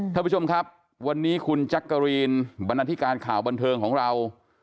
ท่านผู้ชมครับวันนี้คุณจักรีนบรรณาธิการข่าวบันเทิงของเรา